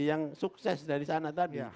yang sukses dari sana tadi